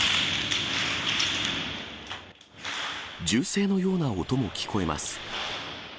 銃声のような音も聞こえます。